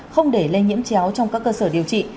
không để lây nhiễm chéo trong các cơ sở điều trị